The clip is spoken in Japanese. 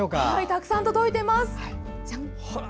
たくさん届いています。